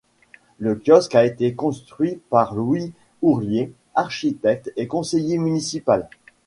Le kiosque a été construit par Louis Hourlier, architecte et conseiller municipal.